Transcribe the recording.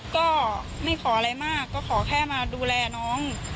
ก็ไม่ขออะไรมากก็ขอแค่มาดูแลน้อง